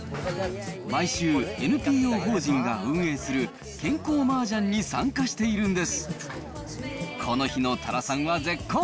毎週、ＮＰＯ法人が運営する健康麻雀に参加しているんです。